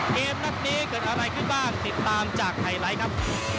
เกมนัดนี้เกิดอะไรขึ้นบ้างติดตามจากไฮไลท์ครับ